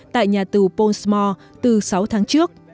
tại nhà tù pond s mall từ sáu tháng trước